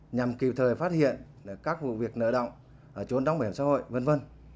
nhằm kịp thời phát hiện các vụ việc nợ động trốn đóng bảo hiểm xã hội v v